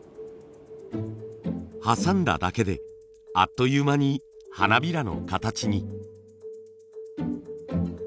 挟んだだけであっという間に花びらの形に。